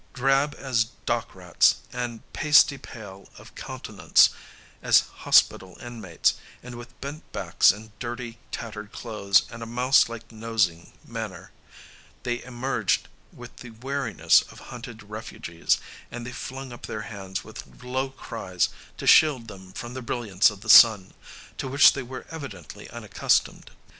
Drab as dock rats, and pasty pale of countenance as hospital inmates, and with bent backs and dirty, tattered clothes and a mouse like nosing manner, they emerged with the wariness of hunted refugees; and they flung up their hands with low cries to shield them from the brilliance of the sun, to which they were evidently unaccustomed.